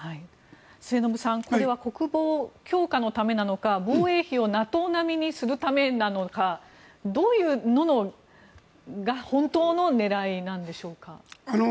末延さんこれは国防強化のためなのか防衛費をＮＡＴＯ並みにするためなのかどういうものが本当の狙いなんでしょうか？